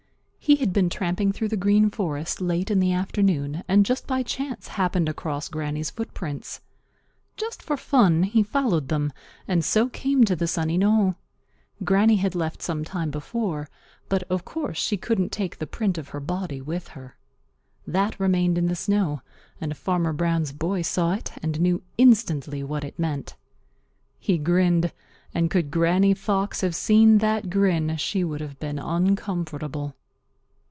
He had been tramping through the Green Forest late in the afternoon and just by chance happened across Granny's footprints. Just for fun he followed them and so came to the sunny knoll. Granny had left some time before, but of course she couldn't take the print of her body with her. That remained in the snow, and Farmer Brown's boy saw it and knew instantly what it meant. He grinned, and could Granny Fox have seen that grin, she would have been uncomfortable.